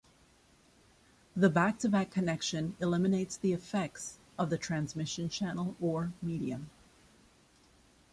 The back-to-back connection eliminates the effects of the transmission channel or medium.